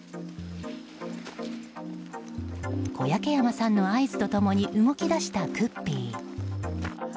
小焼山さんの合図と共に動き出したクッピー。